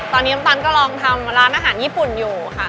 ตอนนี้น้ำตาลก็ลองทำร้านอาหารญี่ปุ่นอยู่ค่ะ